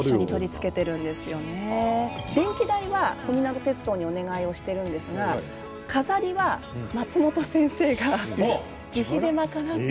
電気代は小湊鉄道にお願いをしてるんですが飾りは松本先生が自費で賄って。